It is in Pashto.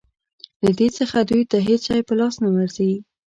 له دې څخه دوی ته هېڅ شی په لاس نه ورځي.